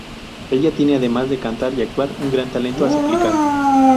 Ella tiene, además de cantar y actuar, un gran talento a suplicar.